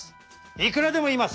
いくらでもいます。